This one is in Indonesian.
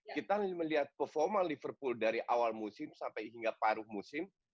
kita melihat performa liverpool dari awal musim sampai hingga paruh musim